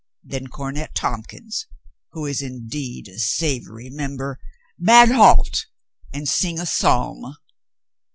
Then Cornet Tompkins, who is indeed a savory member, bade halt and sing a psalm.